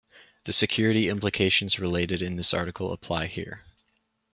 The security implications related in this article apply here.